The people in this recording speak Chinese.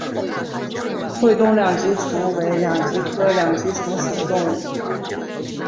会东两极虫为两极科两极虫属的动物。